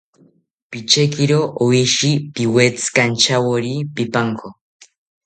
Pichekiro oshi, piwetzikanchawori pipanko